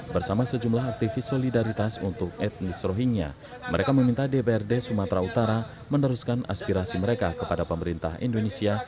bersama sejumlah aktivis solidaritas untuk etnis rohingya mereka meminta dprd sumatera utara meneruskan aspirasi mereka kepada pemerintah indonesia